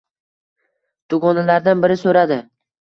Dugonalardan biri soʻradi